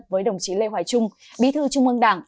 với đồng chí lê hoài trung bí thư trung ương đảng